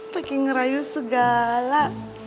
pake ngerayu segala